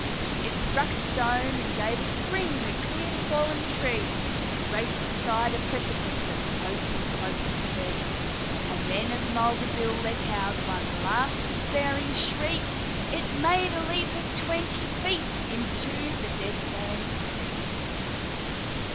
It struck a stone and gave a spring that cleared a fallen tree, It raced beside a precipice as close as close could be; And then, as Mulga Bill let out one last despairing shriek, It made a leap of twenty feet into the Dead Man's Creek.